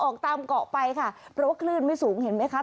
ออกตามเกาะไปค่ะเพราะว่าคลื่นไม่สูงเห็นไหมคะ